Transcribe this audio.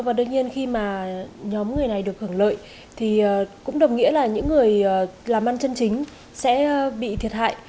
và đương nhiên khi mà nhóm người này được hưởng lợi thì cũng đồng nghĩa là những người làm ăn chân chính sẽ bị thiệt hại